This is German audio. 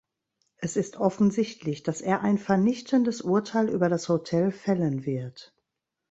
Es ist offensichtlich, dass er ein vernichtendes Urteil über das Hotel fällen wird.